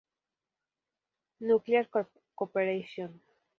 Nuclear Cooperation.